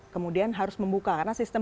kemudian harus membuka karena sistem